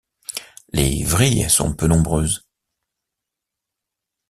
Les vrilles sont peu nombreuses.